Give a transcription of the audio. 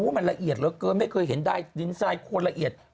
มันมีโคนโคนที่เขาพอก